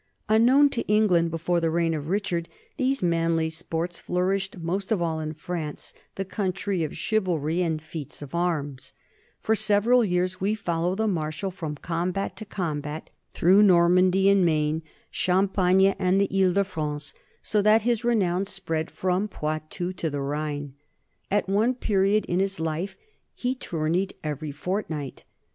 Unknown to England before the reign of Richard, these manly sports flourished most of all in France, the country of chivalry and feats of arms, and for several years we follow the Marshal from combat to combat through Normandy and Maine, Champagne 156 NORMANS IN EUROPEAN HISTORY and the Ile de France, so that his renown spread from Poitou to the Rhine. At one period in his life he tour neyed every fortnight.